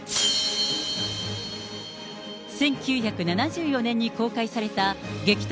１９７４年に公開された、激突！